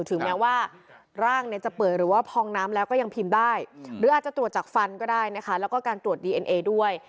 ถึงแม้ว่าร่างเนี่ยจะเปื่อยหรือว่าพองน้ำแล้วก็ยังพิมพ์ได้หรืออาจจะตรวจจากฟันก็ได้นะคะแล้วก็การตรวจดีเอ็นเอด้วย